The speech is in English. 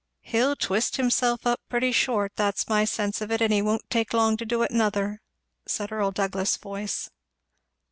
"He'll twist himself up pretty short; that's my sense of it; and he won't take long to do it, nother," said Earl Douglass's voice.